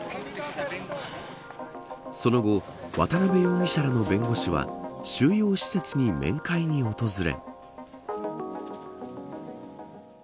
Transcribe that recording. その後渡辺容疑者らの弁護士は収容施設に面会に訪れ。